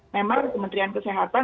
memang kementerian kesehatan